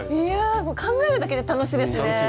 いやもう考えるだけで楽しいですね。